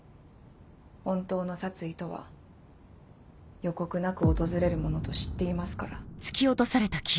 本当の殺意とは予告なく訪れるものと知っていますから。